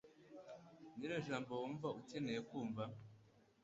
Nirihe jambo wumva ukeyene kumva?